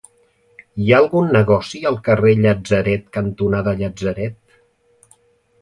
Hi ha algun negoci al carrer Llatzeret cantonada Llatzeret?